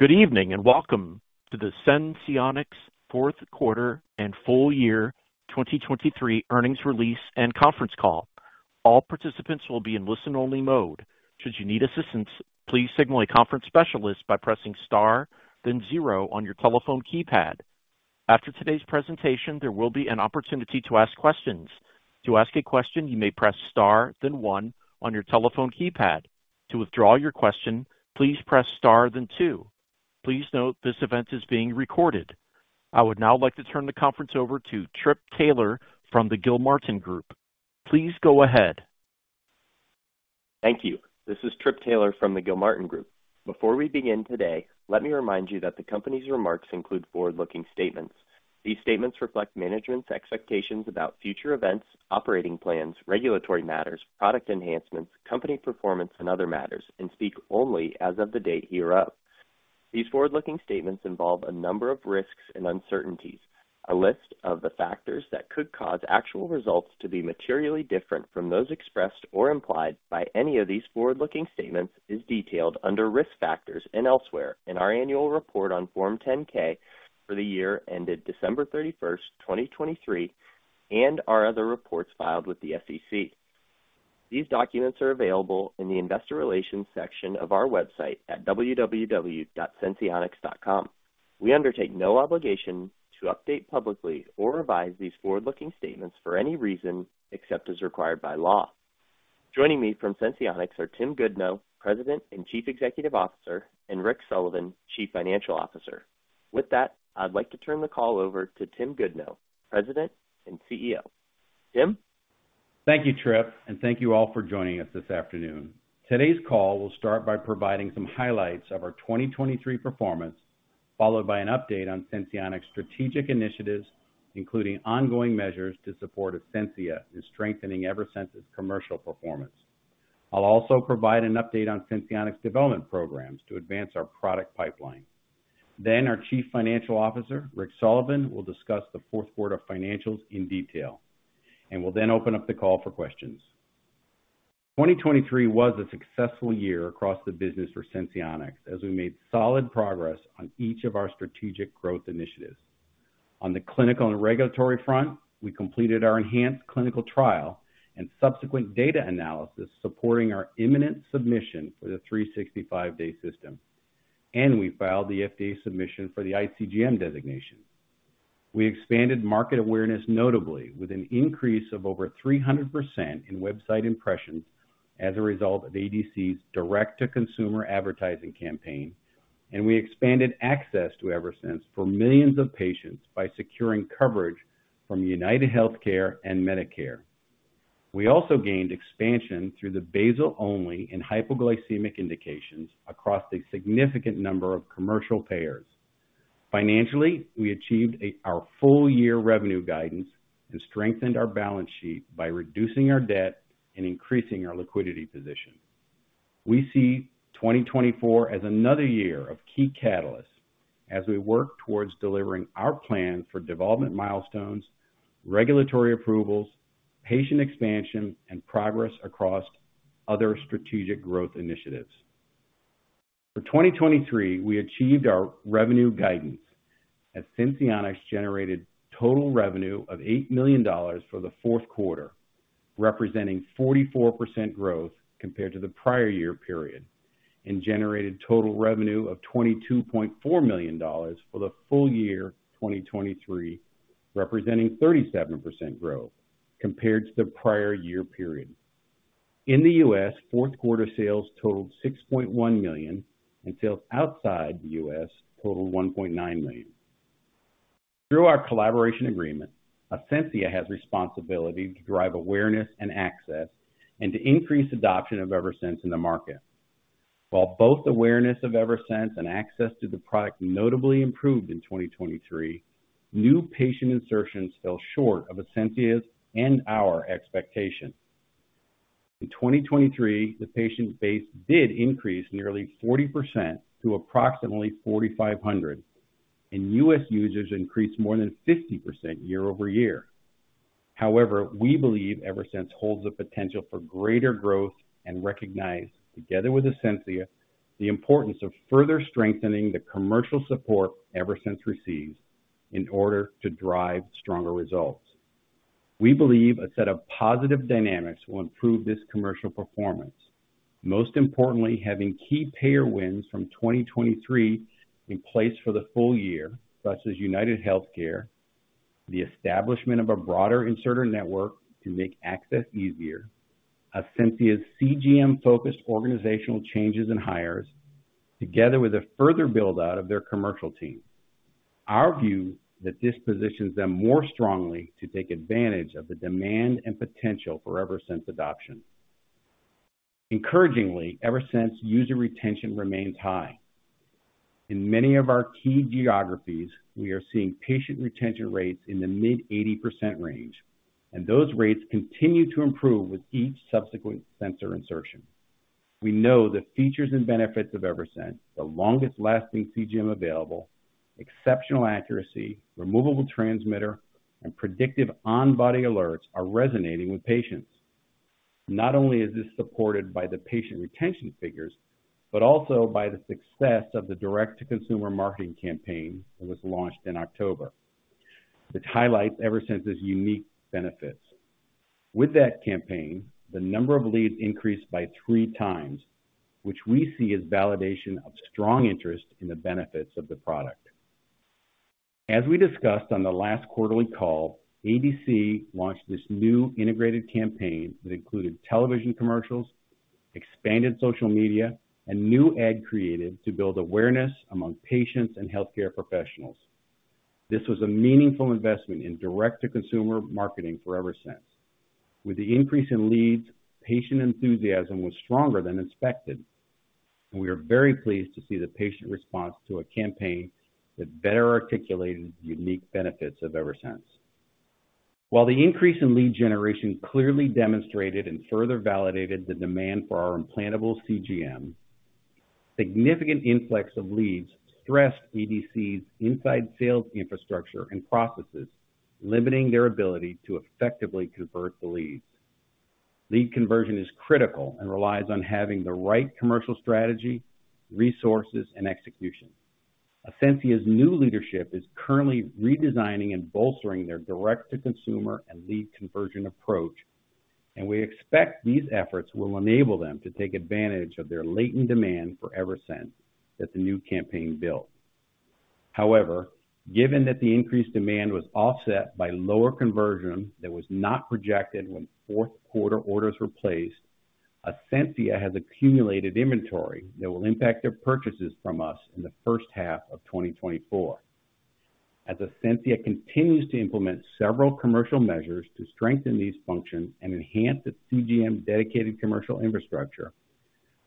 Good evening and welcome to the Senseonics Fourth Quarter and Full Year 2023 earnings release and conference call. All participants will be in listen-only mode. Should you need assistance, please signal a conference specialist by pressing star, then zero on your telephone keypad. After today's presentation, there will be an opportunity to ask questions. To ask a question, you may press star, then one on your telephone keypad. To withdraw your question, please press star, then two. Please note this event is being recorded. I would now like to turn the conference over to Trip Taylor from the Gilmartin Group. Please go ahead. Thank you. This is Trip Taylor from the Gilmartin Group. Before we begin today, let me remind you that the company's remarks include forward-looking statements. These statements reflect management's expectations about future events, operating plans, regulatory matters, product enhancements, company performance, and other matters, and speak only as of the date hereof. These forward-looking statements involve a number of risks and uncertainties. A list of the factors that could cause actual results to be materially different from those expressed or implied by any of these forward-looking statements is detailed under Risk Factors and elsewhere in our annual report on Form 10-K for the year ended December 31, 2023, and our other reports filed with the SEC. These documents are available in the Investor Relations section of our website at www.senseonics.com. We undertake no obligation to update publicly or revise these forward-looking statements for any reason except as required by law. Joining me from Senseonics are Tim Goodnow, President and Chief Executive Officer, and Rick Sullivan, Chief Financial Officer. With that, I'd like to turn the call over to Tim Goodnow, President and CEO. Tim? Thank you, Trip, and thank you all for joining us this afternoon. Today's call will start by providing some highlights of our 2023 performance, followed by an update on Senseonics' strategic initiatives, including ongoing measures to support Ascensia in strengthening Eversense's commercial performance. I'll also provide an update on Senseonics' development programs to advance our product pipeline. Then our Chief Financial Officer, Rick Sullivan, will discuss the fourth quarter financials in detail, and we'll then open up the call for questions. 2023 was a successful year across the business for Senseonics as we made solid progress on each of our strategic growth initiatives. On the clinical and regulatory front, we completed our enhanced clinical trial and subsequent data analysis supporting our imminent submission for the 365-day system, and we filed the FDA submission for the iCGM designation. We expanded market awareness notably with an increase of over 300% in website impressions as a result of ADC's direct-to-consumer advertising campaign, and we expanded access to Eversense for millions of patients by securing coverage from UnitedHealthcare and Medicare. We also gained expansion through the basal-only and hypoglycemic indications across a significant number of commercial payers. Financially, we achieved our full-year revenue guidance and strengthened our balance sheet by reducing our debt and increasing our liquidity position. We see 2024 as another year of key catalysts as we work towards delivering our plans for development milestones, regulatory approvals, patient expansion, and progress across other strategic growth initiatives. For 2023, we achieved our revenue guidance. Senseonics generated total revenue of $8 million for the fourth quarter, representing 44% growth compared to the prior year period, and generated total revenue of $22.4 million for the full year 2023, representing 37% growth compared to the prior year period. In the U.S., fourth quarter sales totaled $6.1 million, and sales outside the U.S. totaled $1.9 million. Through our collaboration agreement, Ascensia has responsibility to drive awareness and access and to increase adoption of Eversense in the market. While both awareness of Eversense and access to the product notably improved in 2023, new patient insertions fell short of Ascensia's and our expectations. In 2023, the patient base did increase nearly 40% to approximately 4,500, and U.S. users increased more than 50% year-over-year. However, we believe Eversense holds the potential for greater growth and recognize, together with Ascensia, the importance of further strengthening the commercial support Eversense receives in order to drive stronger results. We believe a set of positive dynamics will improve this commercial performance, most importantly having key payer wins from 2023 in place for the full year, such as UnitedHealthcare, the establishment of a broader inserter network to make access easier, Ascensia's CGM-focused organizational changes and hires, together with a further buildout of their commercial team. Our view is that this positions them more strongly to take advantage of the demand and potential for Eversense adoption. Encouragingly, Eversense user retention remains high. In many of our key geographies, we are seeing patient retention rates in the mid-80% range, and those rates continue to improve with each subsequent sensor insertion. We know the features and benefits of Eversense, the longest-lasting CGM available, exceptional accuracy, removable transmitter, and predictive on-body alerts, are resonating with patients. Not only is this supported by the patient retention figures but also by the success of the direct-to-consumer marketing campaign that was launched in October. This highlights Eversense's unique benefits. With that campaign, the number of leads increased by 3x, which we see as validation of strong interest in the benefits of the product. As we discussed on the last quarterly call, ADC launched this new integrated campaign that included television commercials, expanded social media, and new ad creative to build awareness among patients and healthcare professionals. This was a meaningful investment in direct-to-consumer marketing for Eversense. With the increase in leads, patient enthusiasm was stronger than expected, and we are very pleased to see the patient response to a campaign that better articulated the unique benefits of Eversense. While the increase in lead generation clearly demonstrated and further validated the demand for our implantable CGM, significant influx of leads stressed ADC's inside sales infrastructure and processes, limiting their ability to effectively convert the leads. Lead conversion is critical and relies on having the right commercial strategy, resources, and execution. Ascensia's new leadership is currently redesigning and bolstering their direct-to-consumer and lead conversion approach, and we expect these efforts will enable them to take advantage of their latent demand for Eversense that the new campaign built. However, given that the increased demand was offset by lower conversion that was not projected when fourth quarter orders were placed, Ascensia has accumulated inventory that will impact their purchases from us in the first half of 2024. As Ascensia continues to implement several commercial measures to strengthen these functions and enhance the CGM dedicated commercial infrastructure,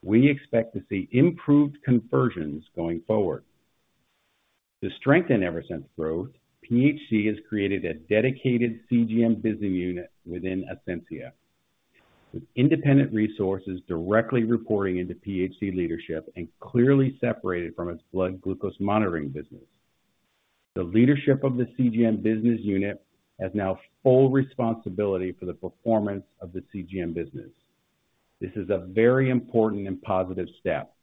we expect to see improved conversions going forward. To strengthen Eversense growth, PHC has created a dedicated CGM business unit within Ascensia, with independent resources directly reporting into PHC leadership and clearly separated from its blood glucose monitoring business. The leadership of the CGM business unit has now full responsibility for the performance of the CGM business. This is a very important and positive step,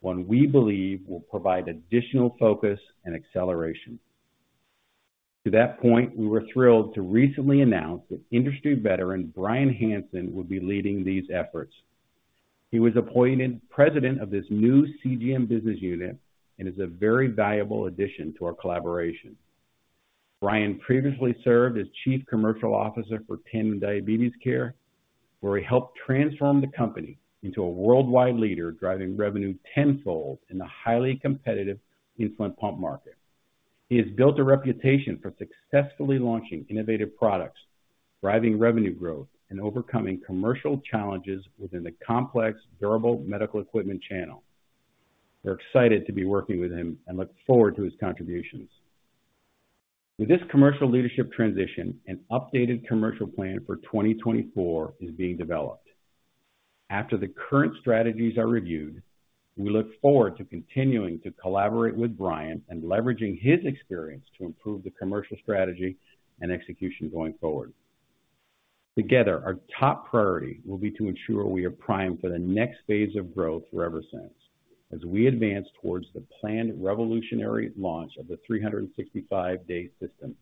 one we believe will provide additional focus and acceleration. To that point, we were thrilled to recently announce that industry veteran Brian Hansen would be leading these efforts. He was appointed president of this new CGM business unit and is a very valuable addition to our collaboration. Brian previously served as Chief Commercial Officer for Tandem Diabetes Care, where he helped transform the company into a worldwide leader driving revenue tenfold in the highly competitive insulin pump market. He has built a reputation for successfully launching innovative products, driving revenue growth, and overcoming commercial challenges within the complex durable medical equipment channel. We're excited to be working with him and look forward to his contributions. With this commercial leadership transition, an updated commercial plan for 2024 is being developed. After the current strategies are reviewed, we look forward to continuing to collaborate with Brian and leveraging his experience to improve the commercial strategy and execution going forward. Together, our top priority will be to ensure we are primed for the next phase of growth for Eversense as we advance towards the planned revolutionary launch of the 365-day system.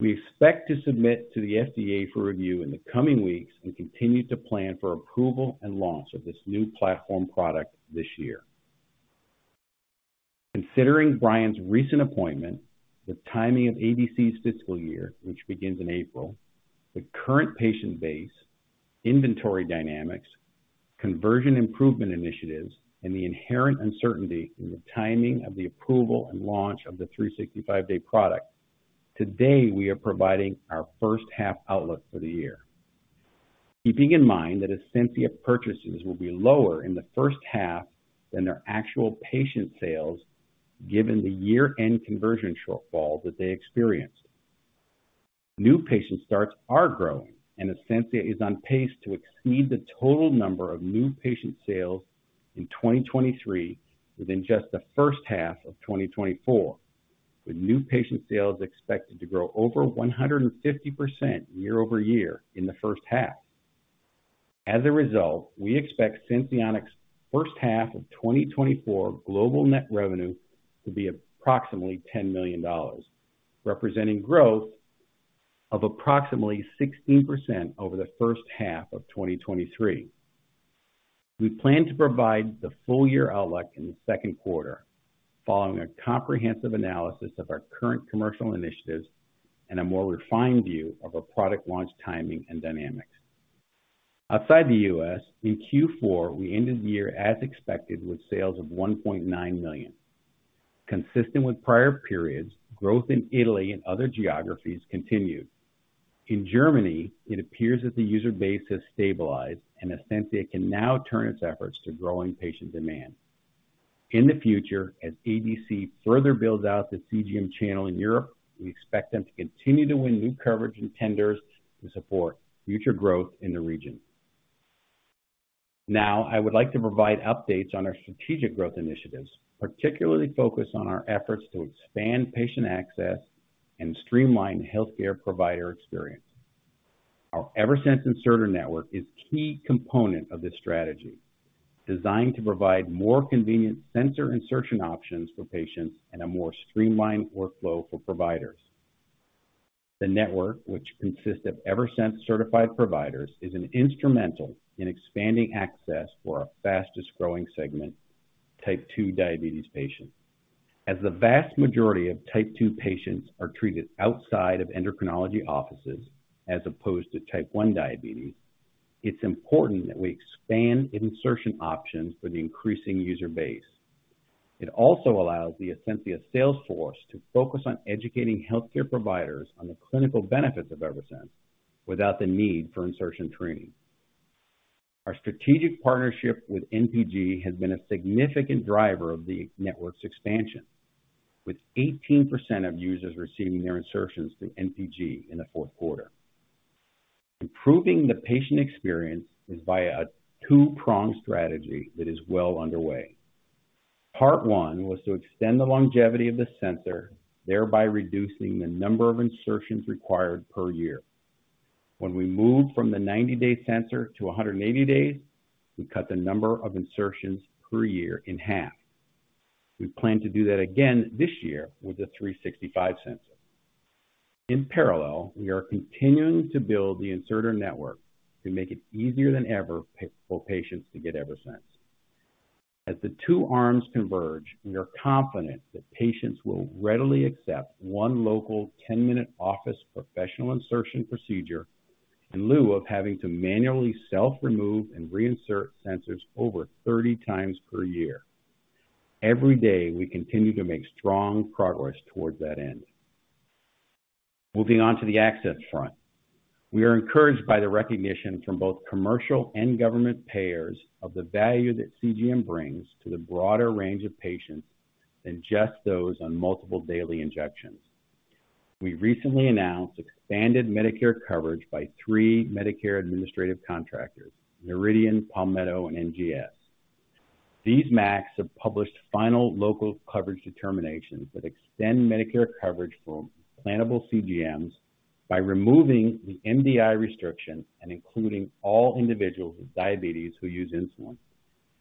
We expect to submit to the FDA for review in the coming weeks and continue to plan for approval and launch of this new platform product this year. Considering Brian's recent appointment, the timing of ADC's fiscal year, which begins in April, the current patient base, inventory dynamics, conversion improvement initiatives, and the inherent uncertainty in the timing of the approval and launch of the 365-day product, today we are providing our first-half outlook for the year. Keeping in mind that Ascensia purchases will be lower in the first half than their actual patient sales given the year-end conversion shortfall that they experienced. New patient starts are growing, and Ascensia is on pace to exceed the total number of new patient sales in 2023 within just the first half of 2024, with new patient sales expected to grow over 150% year-over-year in the first half. As a result, we expect Senseonics' first half of 2024 global net revenue to be approximately $10 million, representing growth of approximately 16% over the first half of 2023. We plan to provide the full-year outlook in the second quarter, following a comprehensive analysis of our current commercial initiatives and a more refined view of our product launch timing and dynamics. Outside the U.S., in Q4, we ended the year as expected with sales of $1.9 million. Consistent with prior periods, growth in Italy and other geographies continued. In Germany, it appears that the user base has stabilized, and Ascensia can now turn its efforts to growing patient demand. In the future, as ADC further builds out the CGM channel in Europe, we expect them to continue to win new coverage and tenders to support future growth in the region. Now, I would like to provide updates on our strategic growth initiatives, particularly focused on our efforts to expand patient access and streamline healthcare provider experience. Our Eversense inserter network is a key component of this strategy, designed to provide more convenient sensor insertion options for patients and a more streamlined workflow for providers. The network, which consists of Eversense-certified providers, is instrumental in expanding access for our fastest-growing segment, type 2 diabetes patients. As the vast majority of type 2 patients are treated outside of endocrinology offices as opposed to type 1 diabetes, it's important that we expand insertion options for the increasing user base. It also allows the Ascensia salesforce to focus on educating healthcare providers on the clinical benefits of Eversense without the need for insertion training. Our strategic partnership with NPG has been a significant driver of the network's expansion, with 18% of users receiving their insertions through NPG in the fourth quarter. Improving the patient experience is via a two-pronged strategy that is well underway. Part one was to extend the longevity of the sensor, thereby reducing the number of insertions required per year. When we moved from the 90-day sensor to 180 days, we cut the number of insertions per year in half. We plan to do that again this year with the 365 sensor. In parallel, we are continuing to build the inserter network to make it easier than ever for patients to get Eversense. As the two arms converge, we are confident that patients will readily accept one local 10 min office professional insertion procedure in lieu of having to manually self-remove and reinsert sensors over 30x per year. Every day, we continue to make strong progress towards that end. Moving on to the access front, we are encouraged by the recognition from both commercial and government payers of the value that CGM brings to the broader range of patients than just those on multiple daily injections. We recently announced expanded Medicare coverage by three Medicare administrative contractors: Noridian, Palmetto, and NGS. These MACs have published final local coverage determinations that extend Medicare coverage for implantable CGMs by removing the MDI restriction and including all individuals with diabetes who use insulin,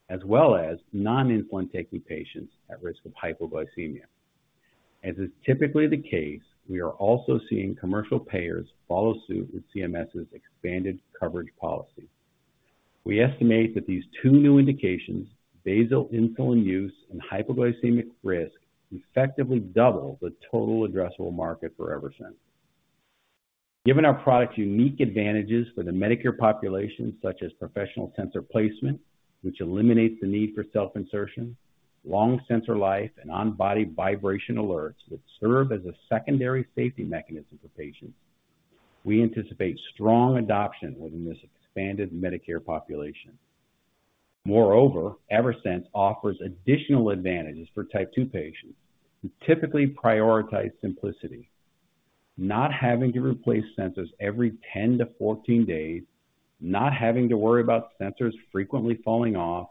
as well as non-insulin-taking patients at risk of hypoglycemia. As is typically the case, we are also seeing commercial payers follow suit with CMS's expanded coverage policy. We estimate that these two new indications, basal insulin use and hypoglycemic risk, effectively double the total addressable market for Eversense. Given our product's unique advantages for the Medicare population, such as professional sensor placement, which eliminates the need for self-insertion, long sensor life, and on-body vibration alerts that serve as a secondary safety mechanism for patients, we anticipate strong adoption within this expanded Medicare population. Moreover, Eversense offers additional advantages for type two patients who typically prioritize simplicity: not having to replace sensors every 10-14 days, not having to worry about sensors frequently falling off,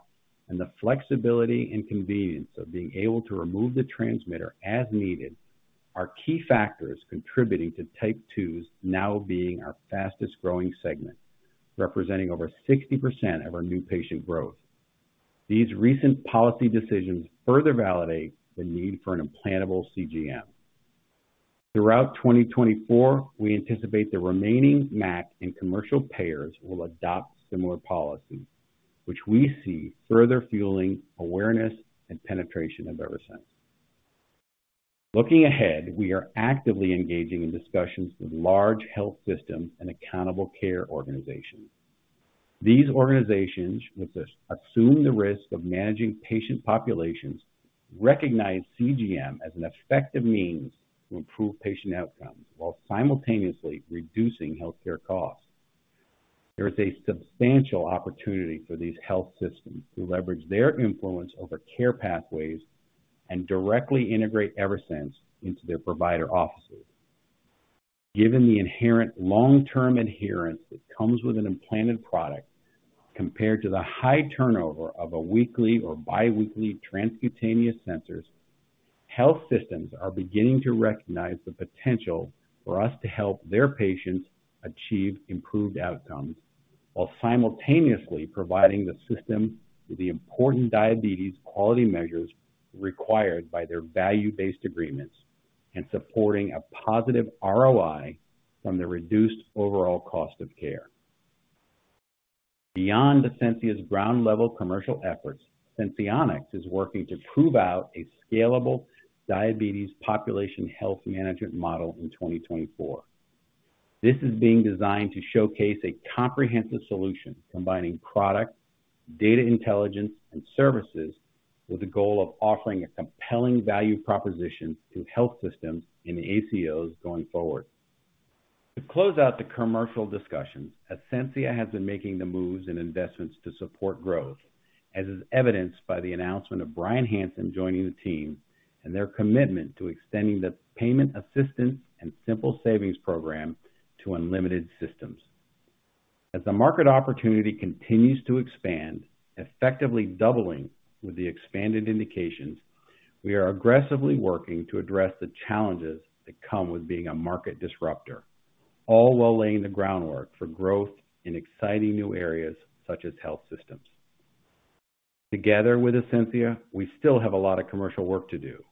and the flexibility and convenience of being able to remove the transmitter as needed are key factors contributing to type 2s now being our fastest-growing segment, representing over 60% of our new patient growth. These recent policy decisions further validate the need for an implantable CGM. Throughout 2024, we anticipate the remaining MAC and commercial payers will adopt similar policies, which we see further fueling awareness and penetration of Eversense. Looking ahead, we are actively engaging in discussions with large health systems and accountable care organizations. These organizations, which assume the risk of managing patient populations, recognize CGM as an effective means to improve patient outcomes while simultaneously reducing healthcare costs. There is a substantial opportunity for these health systems to leverage their influence over care pathways and directly integrate Eversense into their provider offices. Given the inherent long-term adherence that comes with an implanted product compared to the high turnover of weekly or biweekly transcutaneous sensors, health systems are beginning to recognize the potential for us to help their patients achieve improved outcomes while simultaneously providing the system with the important diabetes quality measures required by their value-based agreements and supporting a positive ROI from the reduced overall cost of care. Beyond Ascensia's ground-level commercial efforts, Senseonics is working to prove out a scalable diabetes population health management model in 2024. This is being designed to showcase a comprehensive solution combining product, data intelligence, and services with the goal of offering a compelling value proposition to health systems and ACOs going forward. To close out the commercial discussions, Ascensia has been making the moves and investments to support growth, as is evidenced by the announcement of Brian Hansen joining the team and their commitment to extending the payment assistance and Simple Savings Program to unlimited systems. As the market opportunity continues to expand, effectively doubling with the expanded indications, we are aggressively working to address the challenges that come with being a market disruptor, all while laying the groundwork for growth in exciting new areas such as health systems. Together with Ascensia, we still have a lot of commercial work to do,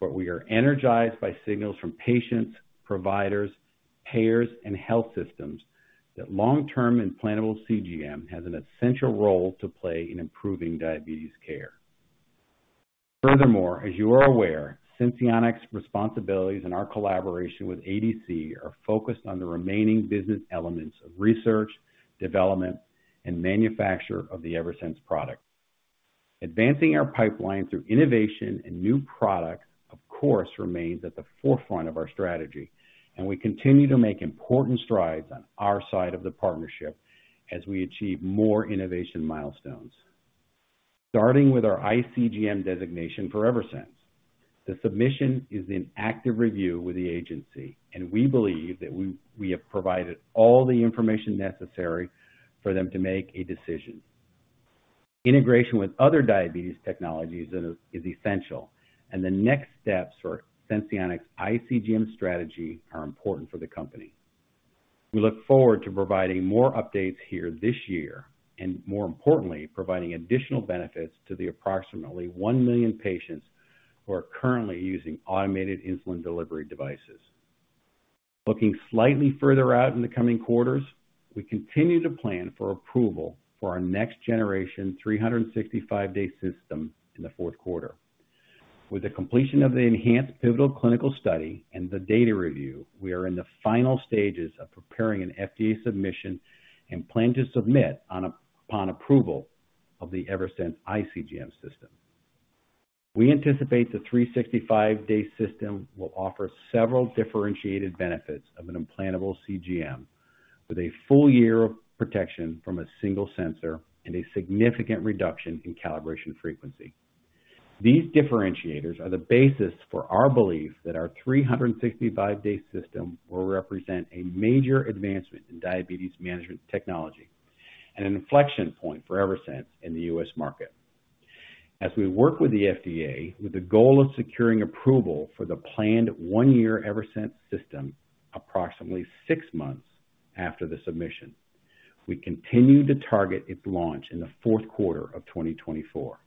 but we are energized by signals from patients, providers, payers, and health systems that long-term implantable CGM has an essential role to play in improving diabetes care. Furthermore, as you are aware, Senseonics' responsibilities and our collaboration with ADC are focused on the remaining business elements of research, development, and manufacture of the Eversense product. Advancing our pipeline through innovation and new products, of course, remains at the forefront of our strategy, and we continue to make important strides on our side of the partnership as we achieve more innovation milestones. Starting with our iCGM designation for Eversense, the submission is in active review with the agency, and we believe that we have provided all the information necessary for them to make a decision. Integration with other diabetes technologies is essential, and the next steps for Senseonics' iCGM strategy are important for the company. We look forward to providing more updates here this year and, more importantly, providing additional benefits to the approximately 1 million patients who are currently using automated insulin delivery devices. Looking slightly further out in the coming quarters, we continue to plan for approval for our next-generation 365-day system in the fourth quarter. With the completion of the enhanced pivotal clinical study and the data review, we are in the final stages of preparing an FDA submission and plan to submit upon approval of the Eversense iCGM system. We anticipate the 365-day system will offer several differentiated benefits of an implantable CGM, with a full year of protection from a single sensor and a significant reduction in calibration frequency. These differentiators are the basis for our belief that our 365-day system will represent a major advancement in diabetes management technology and an inflection point for Eversense in the U.S. market. As we work with the FDA with the goal of securing approval for the planned one-year Eversense system approximately six months after the submission, we continue to target its launch in the fourth quarter of 2024.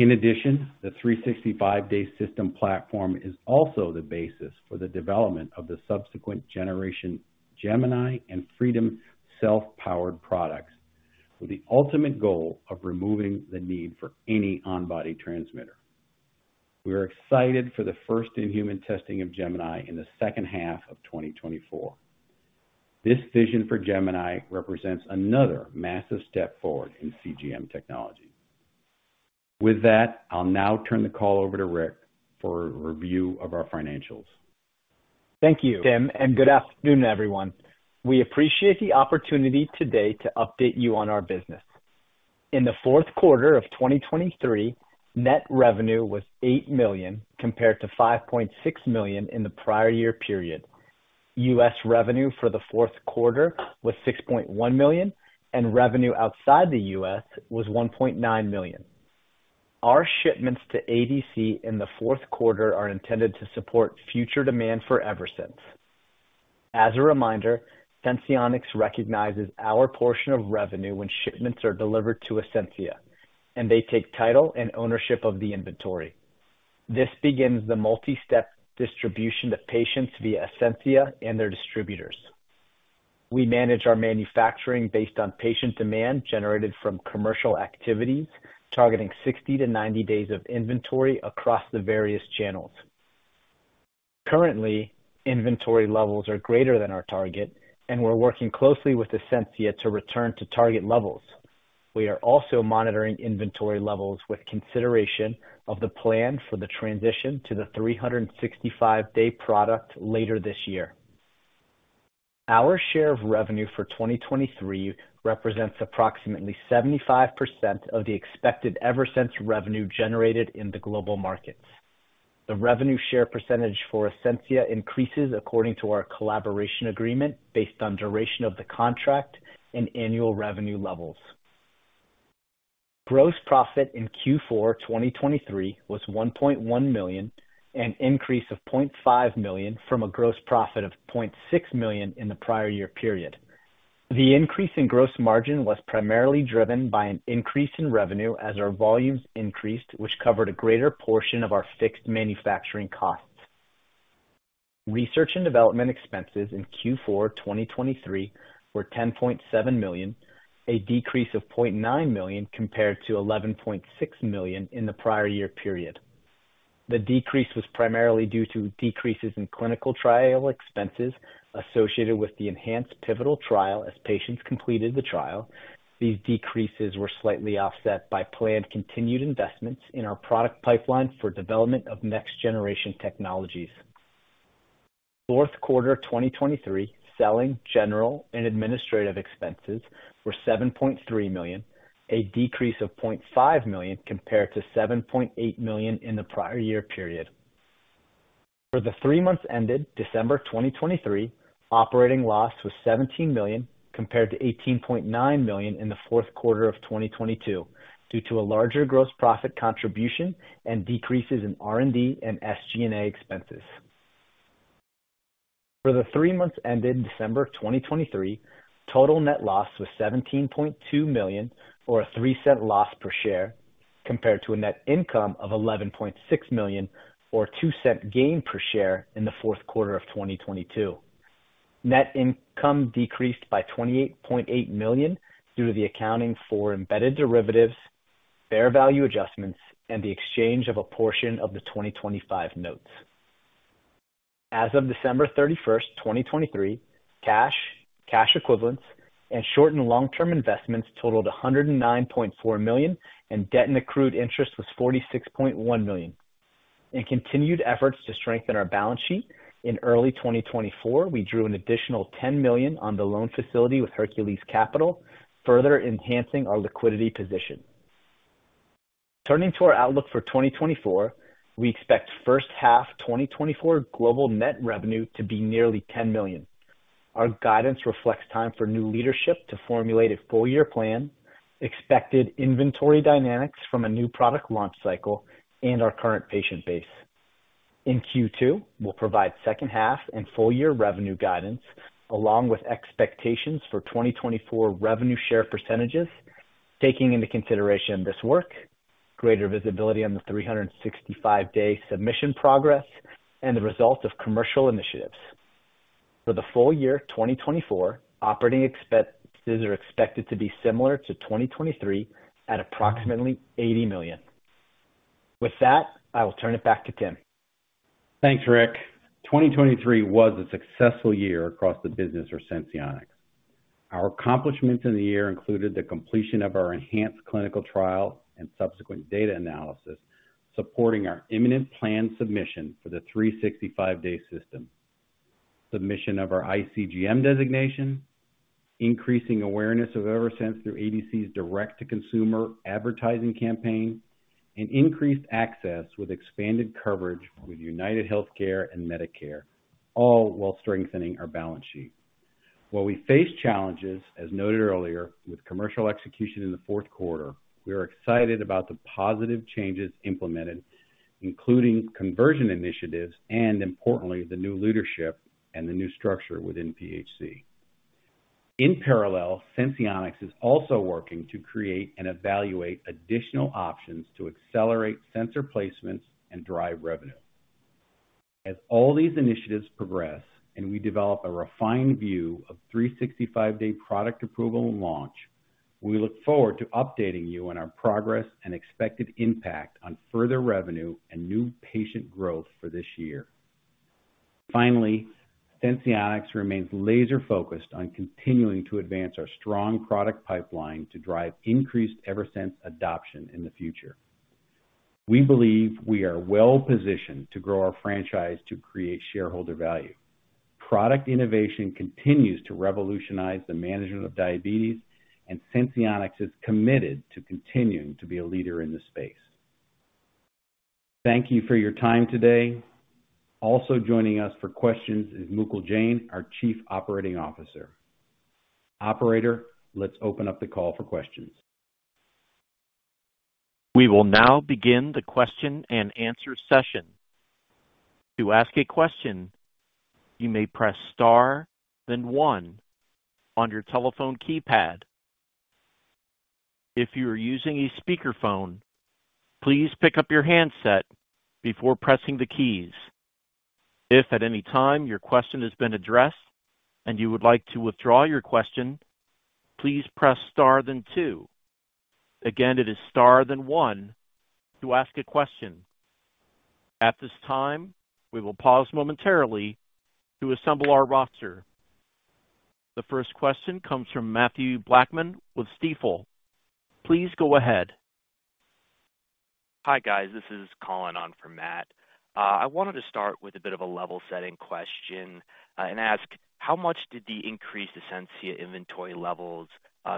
In addition, the 365-day system platform is also the basis for the development of the subsequent generation Gemini and Freedom self-powered products, with the ultimate goal of removing the need for any on-body transmitter. We are excited for the first in-human testing of Gemini in the second half of 2024. This vision for Gemini represents another massive step forward in CGM technology. With that, I'll now turn the call over to Rick for a review of our financials. Thank you, Tim, and good afternoon, everyone. We appreciate the opportunity today to update you on our business. In the fourth quarter of 2023, net revenue was $8 million compared to $5.6 million in the prior year period. U.S. revenue for the fourth quarter was $6.1 million, and revenue outside the U.S. was $1.9 million. Our shipments to ADC in the fourth quarter are intended to support future demand for Eversense. As a reminder, Senseonics recognizes our portion of revenue when shipments are delivered to Ascensia, and they take title and ownership of the inventory. This begins the multi-step distribution to patients via Ascensia and their distributors. We manage our manufacturing based on patient demand generated from commercial activities, targeting 60-90 days of inventory across the various channels. Currently, inventory levels are greater than our target, and we're working closely with Ascensia to return to target levels. We are also monitoring inventory levels with consideration of the plan for the transition to the 365-day product later this year. Our share of revenue for 2023 represents approximately 75% of the expected Eversense revenue generated in the global markets. The revenue share percentage for Ascensia increases according to our collaboration agreement based on duration of the contract and annual revenue levels. Gross profit in Q4 2023 was $1.1 million, an increase of $0.5 million from a gross profit of $0.6 million in the prior year period. The increase in gross margin was primarily driven by an increase in revenue as our volumes increased, which covered a greater portion of our fixed manufacturing costs. Research and development expenses in Q4 2023 were $10.7 million, a decrease of $0.9 million compared to $11.6 million in the prior year period. The decrease was primarily due to decreases in clinical trial expenses associated with the enhanced pivotal trial as patients completed the trial. These decreases were slightly offset by planned continued investments in our product pipeline for development of next-generation technologies. Fourth quarter 2023 selling, general, and administrative expenses were $7.3 million, a decrease of $0.5 million compared to $7.8 million in the prior year period. For the three months ended, December 2023, operating loss was $17 million compared to $18.9 million in the fourth quarter of 2022 due to a larger gross profit contribution and decreases in R&D and SG&A expenses. For the three months ended, December 2023, total net loss was $17.2 million, or a $0.03 loss per share, compared to a net income of $11.6 million, or $0.02 gain per share in the fourth quarter of 2022. Net income decreased by $28.8 million due to the accounting for embedded derivatives, fair value adjustments, and the exchange of a portion of the 2025 notes. As of December 31st, 2023, cash, cash equivalents, and short and long-term investments totaled $109.4 million, and debt and accrued interest was $46.1 million. In continued efforts to strengthen our balance sheet, in early 2024, we drew an additional $10 million on the loan facility with Hercules Capital, further enhancing our liquidity position. Turning to our outlook for 2024, we expect first half 2024 global net revenue to be nearly $10 million. Our guidance reflects time for new leadership to formulate a full-year plan, expected inventory dynamics from a new product launch cycle, and our current patient base. In Q2, we'll provide second half and full-year revenue guidance along with expectations for 2024 revenue share percentages, taking into consideration this work, greater visibility on the 365-day submission progress, and the results of commercial initiatives. For the full year 2024, operating expenses are expected to be similar to 2023 at approximately $80 million. With that, I will turn it back to Tim. Thanks, Rick. 2023 was a successful year across the business for Senseonics. Our accomplishments in the year included the completion of our enhanced clinical trial and subsequent data analysis supporting our imminent planned submission for the 365-day system, submission of our iCGM designation, increasing awareness of Eversense through ADC's direct-to-consumer advertising campaign, and increased access with expanded coverage with UnitedHealthcare and Medicare, all while strengthening our balance sheet. While we face challenges, as noted earlier, with commercial execution in the fourth quarter, we are excited about the positive changes implemented, including conversion initiatives and, importantly, the new leadership and the new structure within PHC. In parallel, Senseonics is also working to create and evaluate additional options to accelerate sensor placements and drive revenue. As all these initiatives progress and we develop a refined view of 365-day product approval and launch, we look forward to updating you on our progress and expected impact on further revenue and new patient growth for this year. Finally, Senseonics remains laser-focused on continuing to advance our strong product pipeline to drive increased Eversense adoption in the future. We believe we are well-positioned to grow our franchise to create shareholder value. Product innovation continues to revolutionize the management of diabetes, and Senseonics is committed to continuing to be a leader in this space. Thank you for your time today. Also joining us for questions is Mukul Jain, our Chief Operating Officer. Operator, let's open up the call for questions. We will now begin the question-and-answer session. To ask a question, you may press star then one on your telephone keypad. If you are using a speakerphone, please pick up your handset before pressing the keys. If at any time your question has been addressed and you would like to withdraw your question, please press star then two. Again, it is star then one to ask a question. At this time, we will pause momentarily to assemble our roster. The first question comes from Matthew Blackman with Stifel. Please go ahead. Hi guys, this is Colin on from Matt. I wanted to start with a bit of a level-setting question and ask, how much did the increased Ascensia inventory levels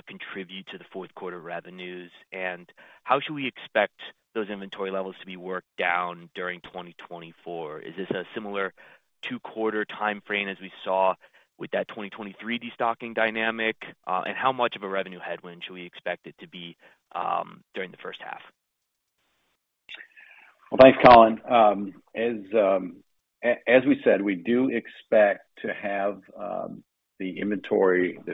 contribute to the fourth quarter revenues, and how should we expect those inventory levels to be worked down during 2024? Is this a similar two-quarter time frame as we saw with that 2023 destocking dynamic, and how much of a revenue headwind should we expect it to be during the first half? Well, thanks, Colin. As we said, we do expect to have the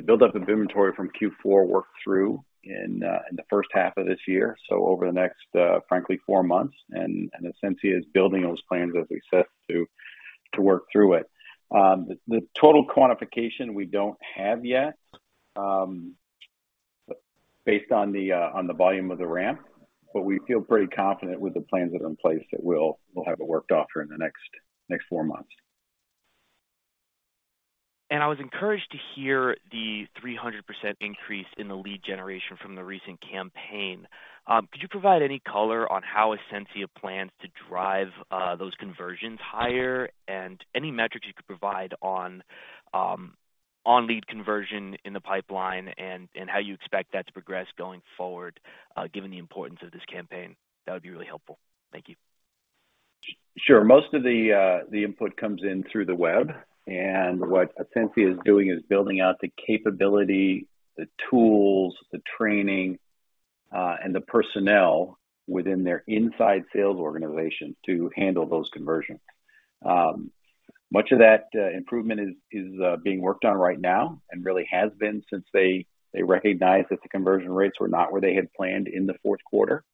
buildup of inventory from Q4 worked through in the first half of this year, so over the next, frankly, four months, and Ascensia is building those plans as we set to work through it. The total quantification, we don't have yet based on the volume of the ramp, but we feel pretty confident with the plans that are in place that we'll have it worked off during the next four months. I was encouraged to hear the 300% increase in the lead generation from the recent campaign. Could you provide any color on how Ascensia plans to drive those conversions higher, and any metrics you could provide on lead conversion in the pipeline and how you expect that to progress going forward given the importance of this campaign? That would be really helpful. Thank you. Sure. Most of the input comes in through the web, and what Ascensia is doing is building out the capability, the tools, the training, and the personnel within their inside sales organization to handle those conversions. Much of that improvement is being worked on right now and really has been since they recognized that the conversion rates were not where they had planned in the fourth quarter.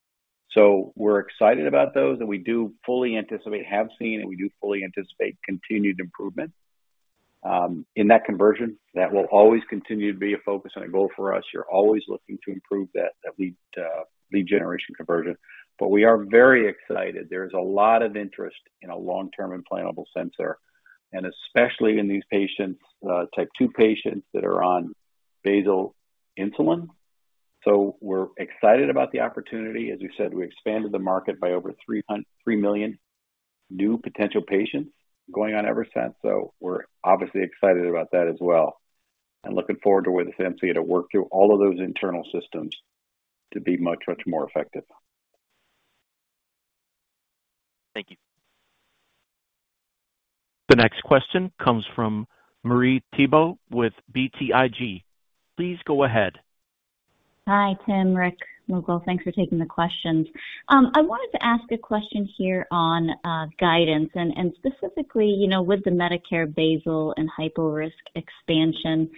So we're excited about those, and we do fully anticipate continued improvement in that conversion. That will always continue to be a focus and a goal for us. You're always looking to improve that lead generation conversion, but we are very excited. There is a lot of interest in a long-term implantable sensor, and especially in these patients, type 2 patients that are on basal insulin. So we're excited about the opportunity. As we said, we expanded the market by over 3 million new potential patients going on Eversense, so we're obviously excited about that as well and looking forward to with Ascensia to work through all of those internal systems to be much, much more effective. Thank you. The next question comes from Marie Thibault with BTIG. Please go ahead. Hi, Tim, Rick, Mukul. Thanks for taking the questions. I wanted to ask a question here on guidance, and specifically with the Medicare basal and hyporisk expansion.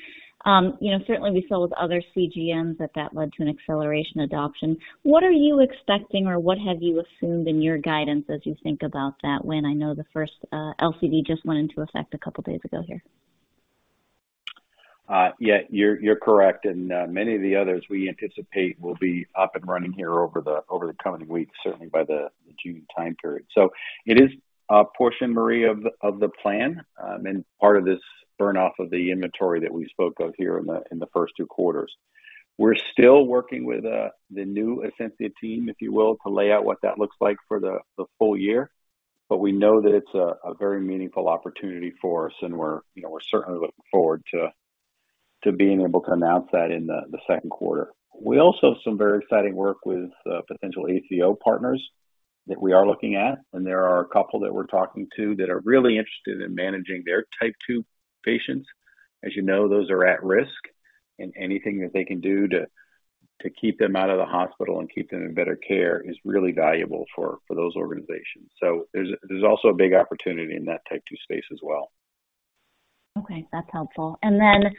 Certainly, we saw with other CGMs that that led to an acceleration adoption. What are you expecting, or what have you assumed in your guidance as you think about that when I know the first LCD just went into effect a couple of days ago here? Yeah, you're correct. And many of the others we anticipate will be up and running here over the coming weeks, certainly by the June time period. So it is a portion, Marie, of the plan and part of this burn-off of the inventory that we spoke of here in the first two quarters. We're still working with the new Ascensia team, if you will, to lay out what that looks like for the full year, but we know that it's a very meaningful opportunity for us, and we're certainly looking forward to being able to announce that in the second quarter. We also have some very exciting work with potential ACO partners that we are looking at, and there are a couple that we're talking to that are really interested in managing their type 2 patients. As you know, those are at risk, and anything that they can do to keep them out of the hospital and keep them in better care is really valuable for those organizations. So there's also a big opportunity in that type 2 space as well. Okay, that's helpful. And then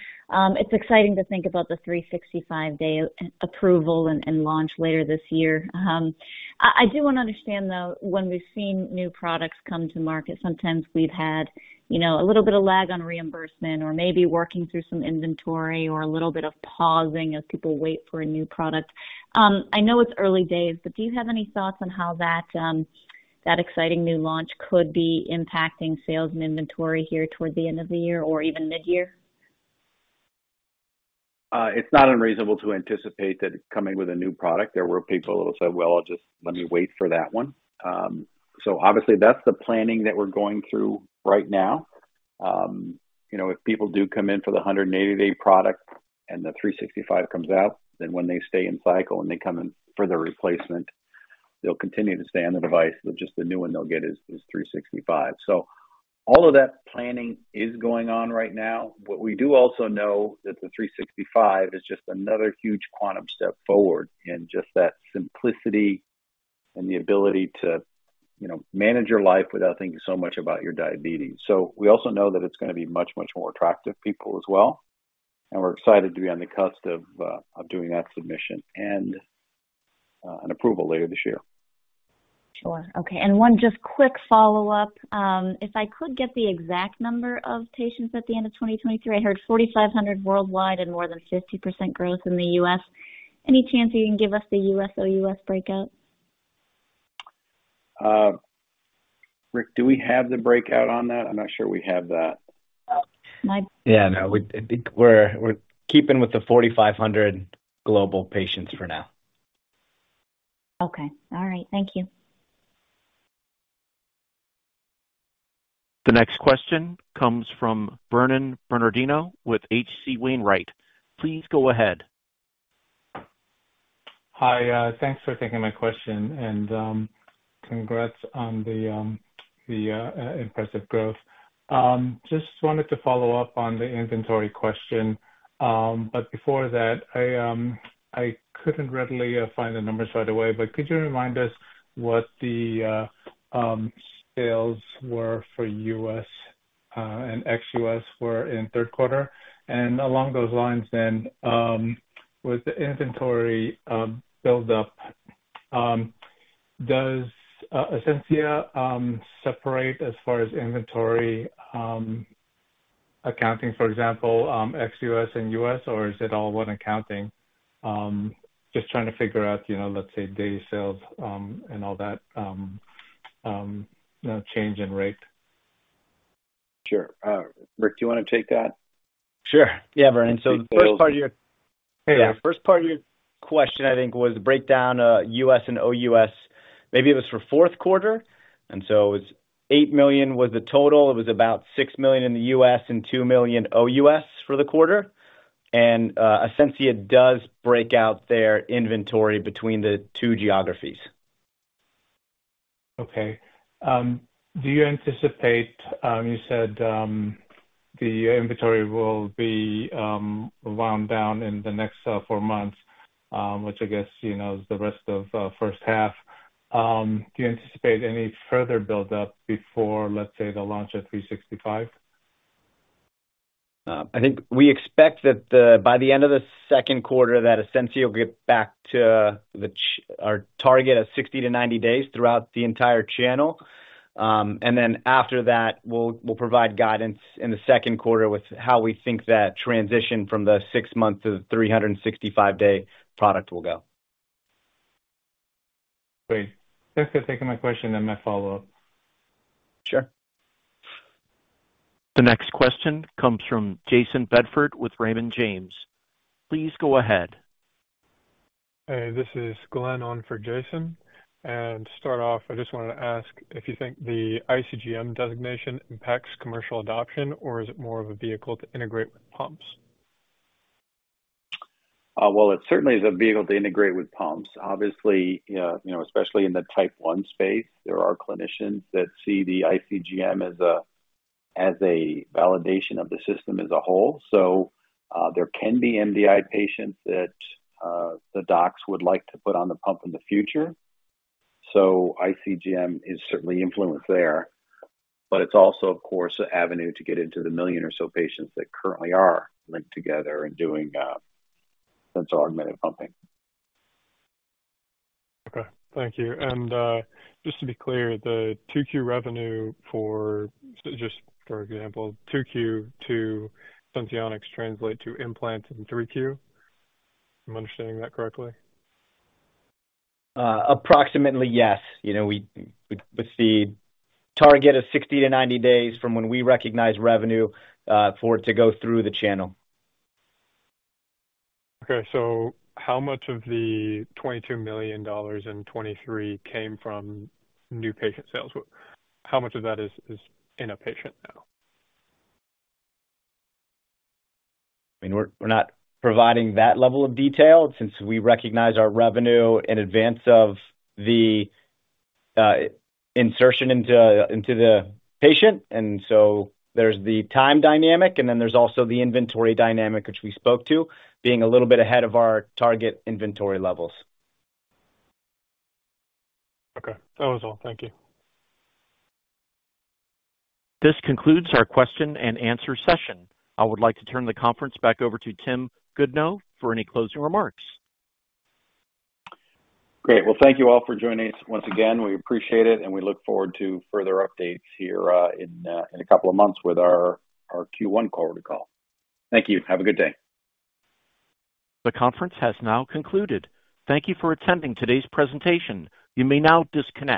it's exciting to think about the 365-day approval and launch later this year. I do want to understand, though, when we've seen new products come to market, sometimes we've had a little bit of lag on reimbursement or maybe working through some inventory or a little bit of pausing as people wait for a new product. I know it's early days, but do you have any thoughts on how that exciting new launch could be impacting sales and inventory here toward the end of the year or even mid-year? It's not unreasonable to anticipate that coming with a new product, there were people that said, "Well, let me wait for that one." So obviously, that's the planning that we're going through right now. If people do come in for the 180-day product and the 365 comes out, then when they stay in cycle and they come in for the replacement, they'll continue to stay on the device. Just the new one they'll get is 365. So all of that planning is going on right now. What we do also know that the 365 is just another huge quantum step forward in just that simplicity and the ability to manage your life without thinking so much about your diabetes. So we also know that it's going to be much, much more attractive to people as well, and we're excited to be on the cusp of doing that submission and an approval later this year. Sure. Okay. And one just quick follow-up. If I could get the exact number of patients at the end of 2023, I heard 4,500 worldwide and more than 50% growth in the U.S. Any chance you can give us the U.S./OUS breakout? Rick, do we have the breakout on that? I'm not sure we have that. My. Yeah, no. We're keeping with the 4,500 global patients for now. Okay. All right. Thank you. The next question comes from Vernon Bernardino with H.C. Wainwright. Please go ahead. Hi. Thanks for taking my question, and congrats on the impressive growth. Just wanted to follow up on the inventory question, but before that, I couldn't readily find the numbers right away, but could you remind us what the sales were for U.S. and ex-U.S. were in third quarter? And along those lines then, with the inventory buildup, does Ascensia separate as far as inventory accounting, for example, ex-U.S. and U.S., or is it all one accounting? Just trying to figure out, let's say, day sales and all that change in rate. Sure. Rick, do you want to take that? Sure. Yeah, Vernon. So the first part of your. Please go ahead. Yeah, first part of your question, I think, was the breakdown U.S. and OUS. Maybe it was for fourth quarter, and so it was $8 million was the total. It was about $6 million in the U.S. and $2 million OUS for the quarter. And Ascensia does break out their inventory between the two geographies. Okay. Do you anticipate you said the inventory will be wound down in the next four months, which I guess is the rest of first half? Do you anticipate any further buildup before, let's say, the launch of 365? I think we expect that by the end of the second quarter, that Ascensia will get back to our target of 60-90 days throughout the entire channel. And then after that, we'll provide guidance in the second quarter with how we think that transition from the 6-month to the 365-day product will go. Great. Thanks for taking my question. That might follow up. Sure. The next question comes from Jason Bedford with Raymond James. Please go ahead. Hey, this is Glenn on for Jason. To start off, I just wanted to ask if you think the iCGM designation impacts commercial adoption, or is it more of a vehicle to integrate with pumps? Well, it certainly is a vehicle to integrate with pumps. Obviously, especially in the type 1 space, there are clinicians that see the iCGM as a validation of the system as a whole. So there can be MDI patients that the docs would like to put on the pump in the future. So iCGM is certainly influenced there, but it's also, of course, an avenue to get into the million or so patients that currently are linked together and doing sensor-augmented pumping. Okay. Thank you. And just to be clear, the 2Q revenue for, just for example, 2Q to Senseonics translate to implants in 3Q. Am I understanding that correctly? Approximately, yes. We would see a target of 60-90 days from when we recognize revenue for it to go through the channel. Okay. So how much of the $22 million in 2023 came from new patient sales? How much of that is in a patient now? I mean, we're not providing that level of detail since we recognize our revenue in advance of the insertion into the patient. And so there's the time dynamic, and then there's also the inventory dynamic, which we spoke to, being a little bit ahead of our target inventory levels. Okay. That was all. Thank you. This concludes our question and answer session. I would like to turn the conference back over to Tim Goodnow for any closing remarks. Great. Well, thank you all for joining us once again. We appreciate it, and we look forward to further updates here in a couple of months with our Q1 quarter call. Thank you. Have a good day. The conference has now concluded. Thank you for attending today's presentation. You may now disconnect.